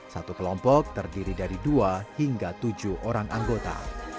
satu kelompok terdiri dari dua hingga tujuh orang anggota